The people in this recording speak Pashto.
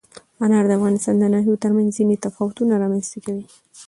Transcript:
انار د افغانستان د ناحیو ترمنځ ځینې تفاوتونه رامنځ ته کوي.